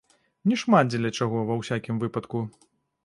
Не шмат дзеля чаго, ва ўсякім выпадку.